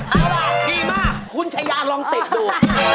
เอาล่ะดีมากคุณชายาลองติดดู